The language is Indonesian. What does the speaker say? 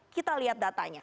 kita lihat datanya